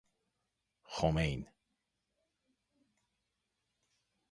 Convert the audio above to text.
خمین